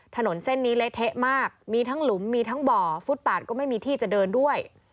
ถนนเส้นนี้เละเทะมากมีทั้งหลุมมีทั้งบ่อฟุตปาดก็ไม่มีที่จะเดินด้วย